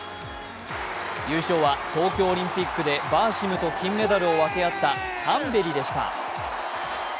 優勝は東京オリンピックでバーシムと金メダルを分け合ったタンベリでした。